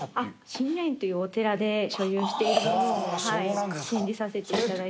真如苑というお寺で所有しているものを展示させていただいて。